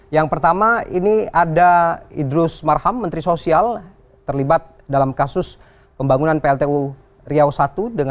yang pertama ini ada idrus marham menteri sosial terlibat dalam kasus pembangunan pltu riau i